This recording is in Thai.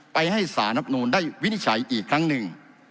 ให้สารรับนูลได้วินิจฉัยอีกครั้งหนึ่ง